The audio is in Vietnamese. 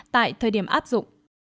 tại thời điểm áp dụng